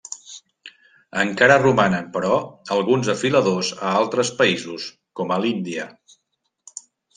Encara romanen però alguns afiladors a altres països com a l'Índia.